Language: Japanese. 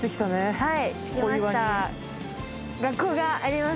はい。